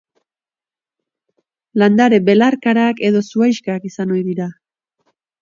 Landare belarkarak edo zuhaixkak izan ohi dira.